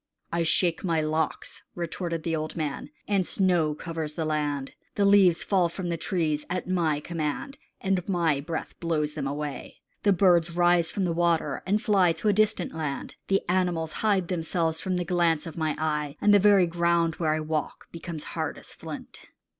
"I shake my locks," retorted the old man, "and snow covers the land. The leaves fall from the trees at my command, and my breath blows them away. The birds rise from the water and fly to a distant land. The animals hide themselves from the glance of my eye, and the very ground where I walk becomes as hard as flint."